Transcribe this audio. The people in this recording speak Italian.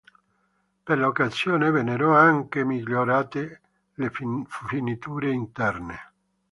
Per l'occasione vennero anche migliorate le finiture interne.